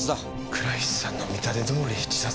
倉石さんの見立てどおり自殺か。